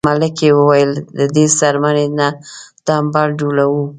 ملکې وویل له دې څرمنې نه تمبل جوړوو.